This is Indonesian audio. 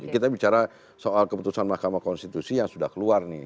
kita bicara soal keputusan mahkamah konstitusi yang sudah keluar nih